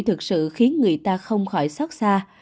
thực sự khiến người ta không khỏi xót xa